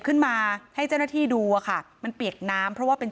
ขึ้นมาให้เจ้าหน้าที่ดูอะค่ะมันเปียกน้ำเพราะว่าเป็น